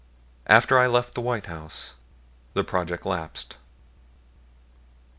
After I left the White House the project lapsed.